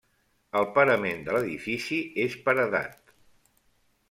El parament de l'edifici és paredat.